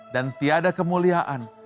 dan tiada kemuliaan